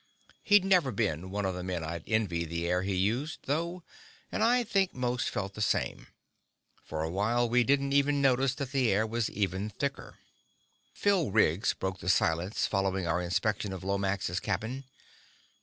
He'd never been one of the men I'd envied the air he used, though, and I think most felt the same. For awhile, we didn't even notice that the air was even thicker. Phil Riggs broke the silence following our inspection of Lomax's cabin.